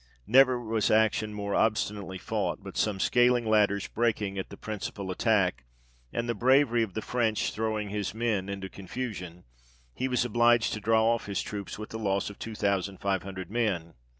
Never was action more obstinately fought, but some scaling ladders breaking at the principal attack, and the bravery of the French throwing his men into confusion, he was obliged to draw off his troops with the loss of two thousand five hundred men.